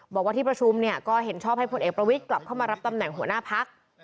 บอกว่าที่ประชุมเนี่ยก็เห็นชอบให้พลเอกประวิทย์กลับเข้ามารับตำแหน่งหัวหน้าพัก